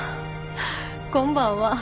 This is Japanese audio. こんばんは。